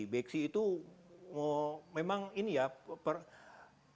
beksi itu memang ini ya